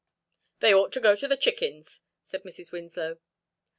"They ought to go to the chickens," said Mrs. Winslow.